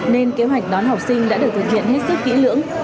nên kế hoạch đón học sinh đã được thực hiện hết sức kỹ lưỡng